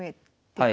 はい。